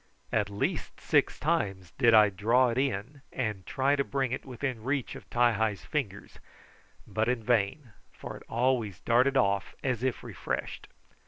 At least six times did I draw it in and try to bring it within reach of Ti hi's fingers, but in vain, for it always darted off as if refreshed.